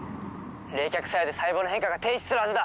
冷却作用で細胞の変化が停止するはずだ！